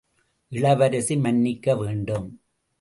இளவரசி மன்னிக்க வேண்டும்.